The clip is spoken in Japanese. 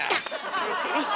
きましたね。